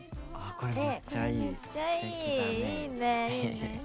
これめっちゃいいいいね